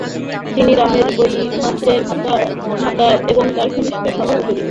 তিনি রামের বৈমাত্রেয় ভ্রাতা ও তার ঘনিষ্ঠ সহযোগী।